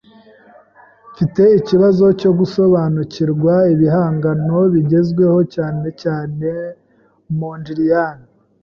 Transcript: Mfite ikibazo cyo gusobanukirwa ibihangano bigezweho, cyane cyane Mondrian.